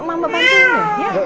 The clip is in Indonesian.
mama bantu dia ya